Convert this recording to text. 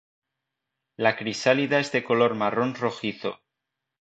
La crisálida es de color marrón rojizo.